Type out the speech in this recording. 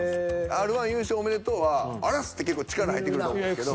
「Ｒ−１優勝おめでとう」は「あざす！」って結構力入ってくると思うんですけど。